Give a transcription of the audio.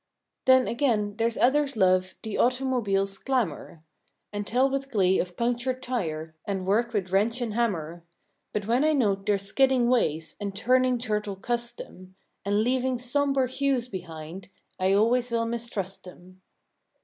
122 Then, again, there's others love The automobile's clamor; And tell with glee of punctured tire, And work with wrench and hammer; But when I note their skidding ways, And turning turtle custom, And leaving sombre hues behind, I always will mistrust 'em.